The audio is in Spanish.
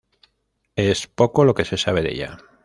Es poco lo que se sabe de ella.